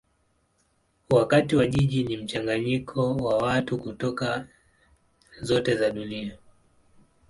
Wakazi wa jiji ni mchanganyiko wa watu kutoka zote za dunia.